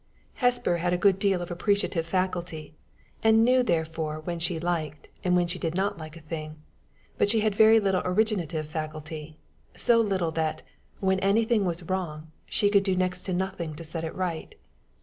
Hesper had a good deal of appreciative faculty, and knew therefore when she liked and when she did not like a thing; but she had very little originative faculty so little that, when anything was wrong, she could do next to nothing to set it right.